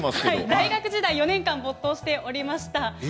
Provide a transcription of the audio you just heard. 大学時代４年間没頭していました。